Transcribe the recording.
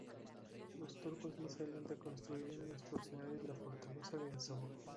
Los turcos, más adelante, construirían en las proximidades la fortaleza de Azov.